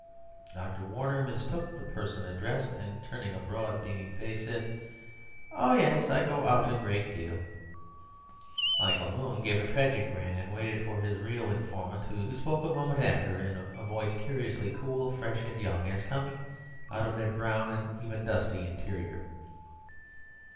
Dr. Warner mistook the person addressed, and turning a broad beaming face, said,— "Oh yes, I go out a great deal." Michael Moon gave a tragic grin, and waited for his real informant, who spoke a moment after in a voice curiously cool, fresh and young, as coming out of that brown and even dusty interior.